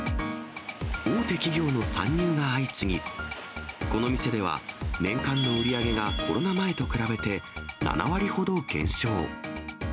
大手企業の参入が相次ぎ、この店では年間の売り上げがコロナ前と比べて、７割ほど減少。